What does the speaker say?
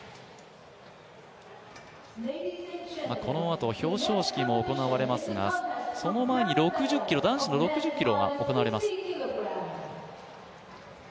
このあと表彰式も行われますがその前に男子の６０ｋｇが行われます。